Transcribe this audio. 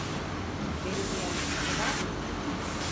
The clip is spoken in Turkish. Beni duyan kimse var mı?